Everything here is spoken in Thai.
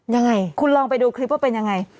ยังไงคุณลองไปดูคลิปว่าเป็นยังไง